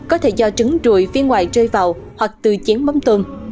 có thể do trứng rùi phía ngoài rơi vào hoặc từ chén mắm tôm